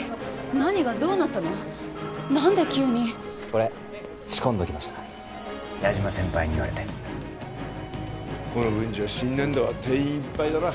何で急にこれ仕込んどきました矢島先輩に言われてこの分じゃ新年度は定員いっぱいだな